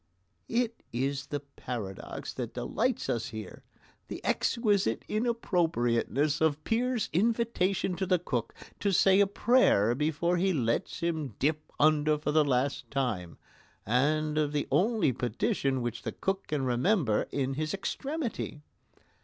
It is the paradox that delights us here the exquisite inappropriateness of Peer's invitation to the Cook to say a prayer before he lets him dip under for the last time, and of the only petition which the Cook can remember in his extremity.